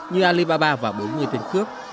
như alibaba và bốn mươi tên khước